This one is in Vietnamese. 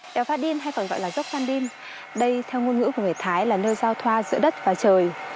đèo phát điên hay còn gọi là dốc phan đi đây theo ngôn ngữ của người thái là nơi giao thoa giữa đất và trời